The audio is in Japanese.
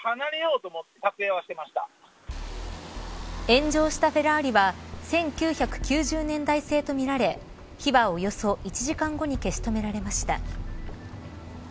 炎上したフェラーリは１９９０年代製とみられ火は、およそ１時間後に消し止められました。